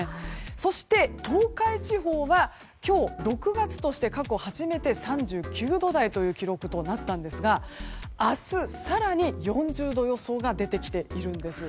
そして、東海地方は今日６月として過去初めて３９度台という記録となったんですが明日、更に４０度予想が出てきているんです。